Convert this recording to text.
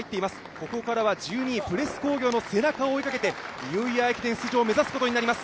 ここからは１２位、プレス工業の背中を追いかけてニューイヤー駅伝出場を目指すことになります